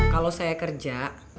kalau saya kerja